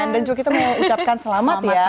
dan juga kita mau ucapkan selamat ya